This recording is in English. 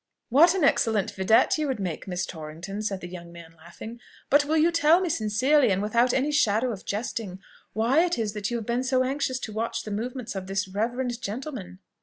"What an excellent vidette you would make, Miss Torrington," said the young man, laughing. "But will you tell me, sincerely, and without any shadow of jesting, why it is that you have been so anxious to watch the movements of this reverend gentleman?"